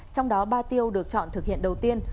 trong đó ba tiêu được chọn thực hiện đầu tiên